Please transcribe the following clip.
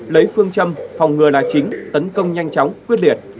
lấy phương châm phòng ngừa là chính tấn công nhanh chóng quyết liệt